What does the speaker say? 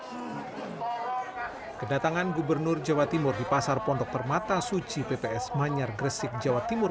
hai kedatangan gubernur jawa timur di pasar pondok permata suci pps manyar gresik jawa timur